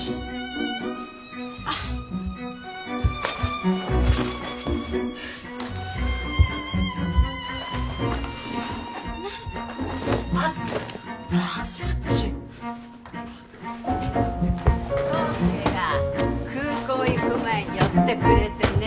あっあっちあっち爽介が空港行く前に寄ってくれてね